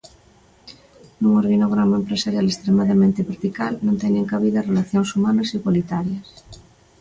Nun organigrama empresarial extremadamente vertical non teñen cabida as relacións humanas igualitarias.